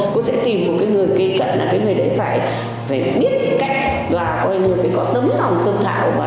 cô sẽ tìm một người kỹ cận là người đấy phải biết cách và người phải có tấm lòng thương thảo và phải quý nữa